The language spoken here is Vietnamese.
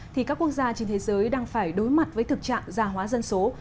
thì các quốc gia trên thế giới đang phải đối mặt với thực trạng già hóa dân số